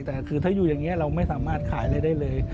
แต่คือถ้าอยู่อย่างนี้เราไม่สามารถขายอะไรได้เลย